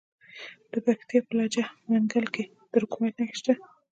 د پکتیا په لجه منګل کې د کرومایټ نښې شته.